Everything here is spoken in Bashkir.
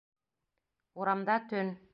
Урамда төн.